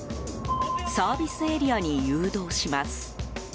サービスエリアに誘導します。